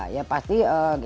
ya pasti gitu